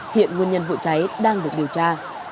hiện nguyên nhân vụ cháy đang được điều tra